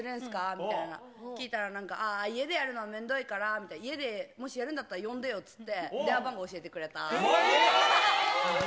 みたいに聞いたら、なんか、あー、家でやるのはめんどいから、家でもしやるんだったら呼んでよって言って、電話番号教えてくれえー！